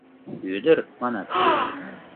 Ӱдыр, манат?..